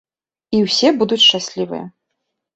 І усё будуць шчаслівыя.